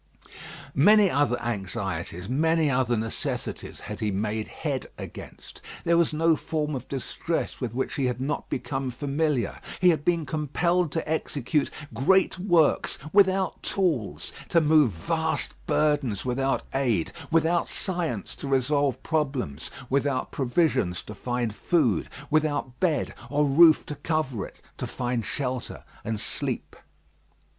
Many other anxieties, many other necessities had he made head against. There was no form of distress with which he had not become familiar. He had been compelled to execute great works without tools, to move vast burdens without aid, without science to resolve problems, without provisions to find food, without bed or roof to cover it, to find shelter and sleep.